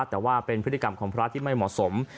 แต่ว่าเป็นพฤติกรรมของพระที่ไม่เหมาะสม